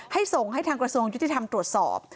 ส่งให้ทางกระทรวงยุติธรรมตรวจสอบ